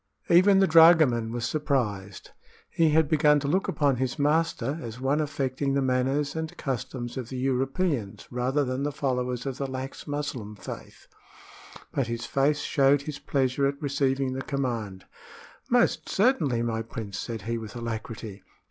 Even the dragoman was surprised. He had begun to look upon his master as one affecting the manners and customs of the Europeans rather than the followers of the lax Muslim faith; but his face showed his pleasure at receiving the command. "Most certainly, my prince," said he, with alacrity.